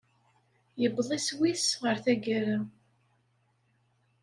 Yewweḍ iswi-s ɣer tagara.